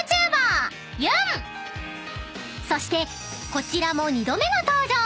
［そしてこちらも２度目の登場］